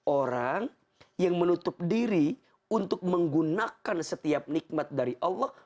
orang yang menutup diri untuk menggunakan setiap nikmat dari allah